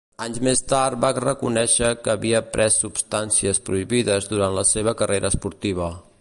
Anys més tard va reconèixer que havia pres substàncies prohibides durant la seva carrera esportiva.